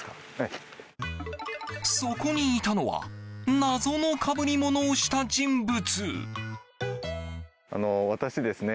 そこにいたのは謎のかぶりものをした人物。